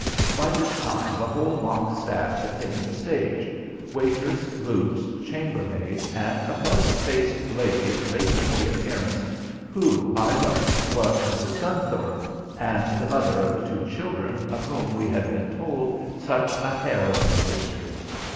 By this time the whole mock staff had taken the stage waitress, boots, chambermaid, and a pleasant faced lady of matronly appearance who, I learnt, was Mrs. Gunthorpe and the mother of the two children of whom we had been told such a harrowing history.